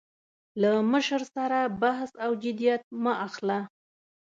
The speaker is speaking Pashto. له مشر سره بحث او جدیت مه اخله.